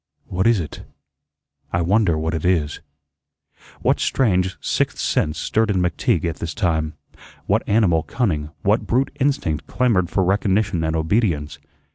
What is it? I wonder what it is." What strange sixth sense stirred in McTeague at this time? What animal cunning, what brute instinct clamored for recognition and obedience?